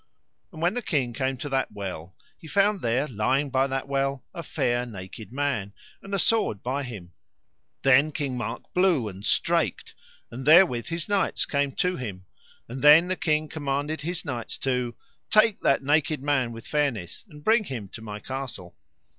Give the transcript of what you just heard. And when the king came to that well he found there lying by that well a fair naked man, and a sword by him. Then King Mark blew and straked, and therewith his knights came to him; and then the king commanded his knights to: Take that naked man with fairness, and bring him to my castle.